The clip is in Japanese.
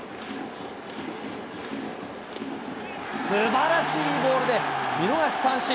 すばらしいボールで見逃し三振。